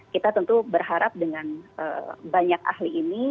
kita tentu berharap dengan banyak ahli ini